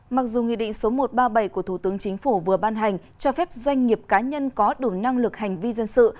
mặc dù nghị định số một trăm ba mươi bảy của thủ tướng chính phủ vừa ban hành cho phép doanh nghiệp cá nhân có đủ năng lực hành vi dân sự